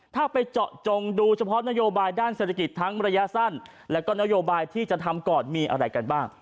ถ้าไปเจาะจงดูเฉพาะนโยบายด้านเศรษฐกิจทั้งระยะสั้นแล้วก็นโยบายที่จะทำก่อนมีอะไรกันบ้าง